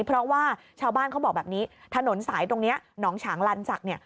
เพราะว่าชาวบ้านเขาบอกแบบนี้ถนนสายตรงนี้หนองฉางลันศักดิ์เนี่ย